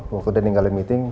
waktu dia tinggalin meeting